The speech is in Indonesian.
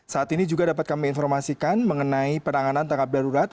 saat ini juga dapat kami informasikan mengenai penanganan tanggap darurat